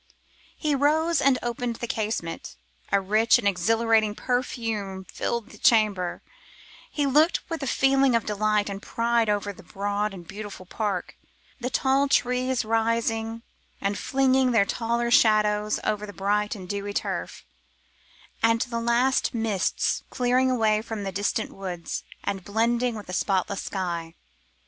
He rose and opened the casement; a rich and exhilarating perfume filled the chamber; he looked with a feeling of delight and pride over the broad and beautiful park; the tall trees rising and flinging their taller shadows over the bright and dewy turf, and the last mists clearing away from the distant woods and blending with the spotless sky.